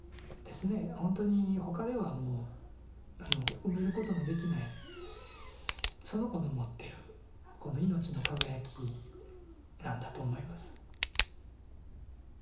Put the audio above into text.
ほんとに他ではもうあの埋めることのできないその子の持ってる命の輝きなんだと思います。